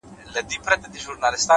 هوښیار انسان احساساتو ته لوری ورکوي،